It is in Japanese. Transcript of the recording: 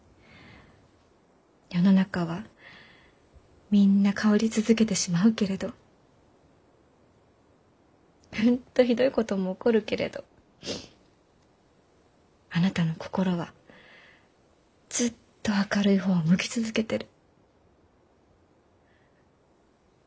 世の中はみんな変わり続けてしまうけれどうんとひどいことも起こるけれどあなたの心はずっと明るい方を向き続けてる。